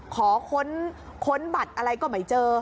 ขอค้นบัตรอะไรก็ไม่เจอ